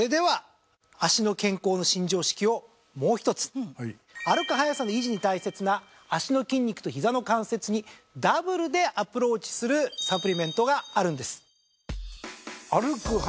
それでは歩く速さの維持に大切な脚の筋肉とひざの関節にダブルでアプローチするサプリメントがあるんです。